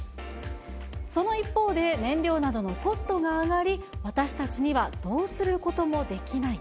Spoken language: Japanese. その一方で、燃料などのコストが上がり、私たちにはどうすることもできない。